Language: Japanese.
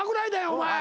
お前。